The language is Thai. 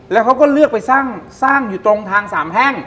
แล้วเขาก็เลือกไปสร้างอยู่ตรงทางสามแพ่ง